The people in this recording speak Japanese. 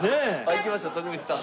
行きました徳光さん。